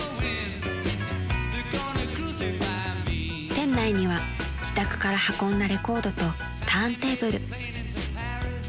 ［店内には自宅から運んだレコードとターンテーブル］